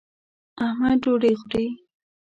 احمد ډوډۍ خوري.